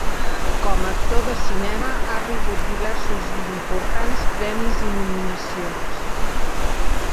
Com a actor de cinema ha rebut diversos i importants premis i nominacions.